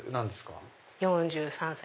４３歳。